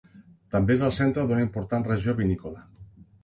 També és el centre d'una important regió vinícola.